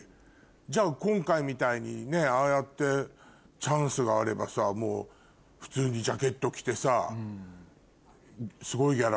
じゃ今回みたいにああやってチャンスがあればさもう普通にジャケット着てさ。